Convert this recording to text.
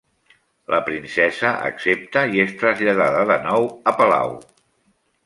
La princesa accepta i és traslladada de nou a palau.